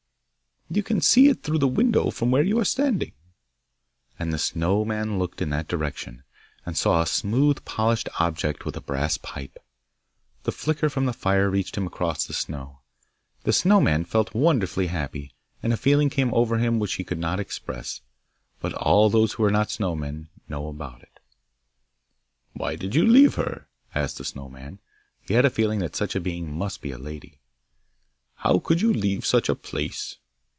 You can see it through the window from where you are standing.' And the Snow man looked in that direction, and saw a smooth polished object with a brass pipe. The flicker from the fire reached him across the snow. The Snow man felt wonderfully happy, and a feeling came over him which he could not express; but all those who are not snow men know about it. 'Why did you leave her?' asked the Snow man. He had a feeling that such a being must be a lady. 'How could you leave such a place?